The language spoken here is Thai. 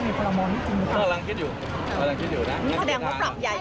ก็ไม่รู้ผมไม่รู้ผมไม่ได้เป็นนัยยกษ์